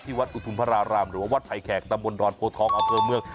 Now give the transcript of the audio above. ที่วัดอุทุพรารามหรือวัดภัยแขกตะบนรอนโภทองอาเฟอร์เมือง